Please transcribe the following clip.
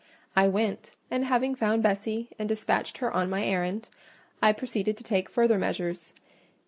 I went, and having found Bessie and despatched her on my errand, I proceeded to take further measures.